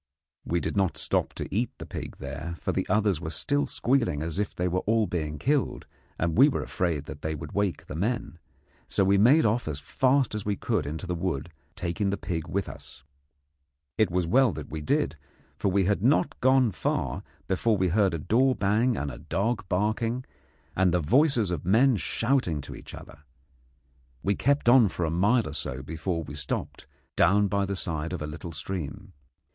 We did not stop to eat the pig there, for the others were still squealing as if they were all being killed, and we were afraid that they would wake the men; so we made off as fast as we could into the wood, taking the pig with us. It was as well that we did, for we had not gone far before we heard a door bang and a dog barking, and then the voices of men shouting to each other. We kept on for a mile or so before we stopped, down by the side of a little stream.